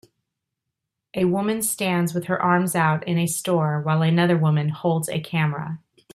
A woman stands with her arms out in a store while another woman holds a camera.